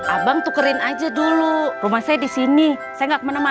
abang tukerin aja dulu rumah saya disini saya gak kemana mana kok